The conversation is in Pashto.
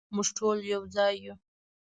مونږ ټول یو ځای یو